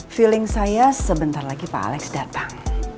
feeling saya sebentar lagi pak alex datang